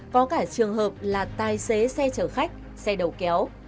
có cả trường hợp là tài xế xe chở khách xe đầu kéo